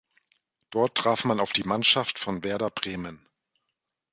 Dort traf man auf die Mannschaft von Werder Bremen.